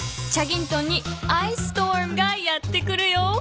チャギントンにアイス・ストームがやって来るよ。